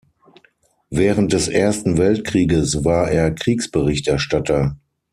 Während des Ersten Weltkrieges war er Kriegsberichterstatter.